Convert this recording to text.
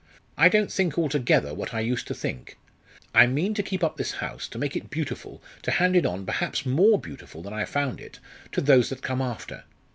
I don't think altogether what I used to think. I mean to keep up this house to make it beautiful, to hand it on, perhaps more beautiful than I found it, to those that come after.